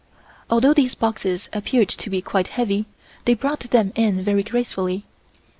Although these boxes appeared to be quite heavy, they brought them in very gracefully.